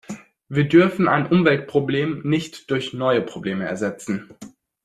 Wir dürfen ein Umweltproblem nicht durch neue Probleme ersetzen.